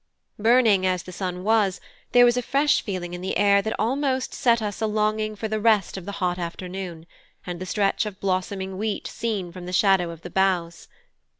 Burning as the sun was, there was a fresh feeling in the air that almost set us a longing for the rest of the hot afternoon, and the stretch of blossoming wheat seen from the shadow of the boughs.